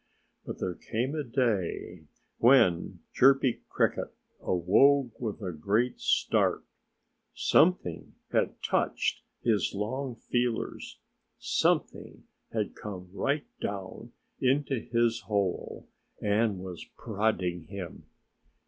But there came a day when Chirpy Cricket awoke with a great start. Something had touched his long feelers. Something had come right down into his hole and was prodding him.